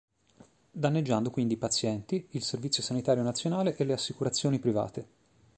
Danneggiando quindi i pazienti, il servizio sanitario nazione e le assicurazioni private.